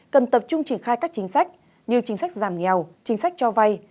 cần tập trung triển khai các chính sách như chính sách giảm nghèo chính sách cho vay